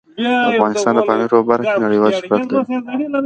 افغانستان د پامیر په برخه کې نړیوال شهرت لري.